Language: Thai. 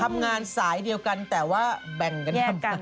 ทำงานสายเดียวกันแต่ว่าแบ่งกันทำงาน